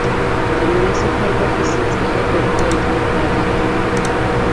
The municipal offices are at the village of Baddeck.